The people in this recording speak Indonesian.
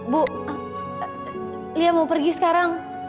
bu lia mau pergi sekarang